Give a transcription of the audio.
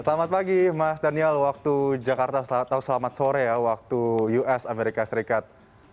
selamat pagi mas daniel waktu jakarta atau selamat sore ya waktu us amerika serikat